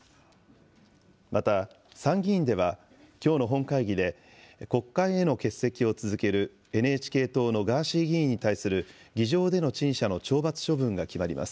また、参議院ではきょうの本会議で、国会への欠席を続けるＮＨＫ党のガーシー議員に対する議場での陳謝の懲罰処分が決まります。